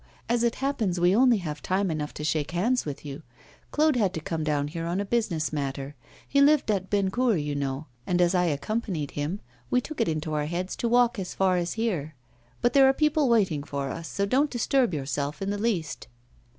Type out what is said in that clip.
As it happens, we only have time enough to shake hands with you. Claude had to come down here on a business matter. He lived at Bennecourt, as you know. And as I accompanied him, we took it into our heads to walk as far as here. But there are people waiting for us, so don't disturb yourself in the least.